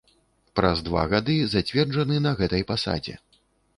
Праз два гады зацверджаны на гэтай пасадзе.